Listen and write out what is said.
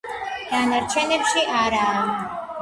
დანარჩენებში არაა.